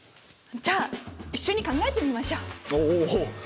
じゃあ一緒に考えてみましょう！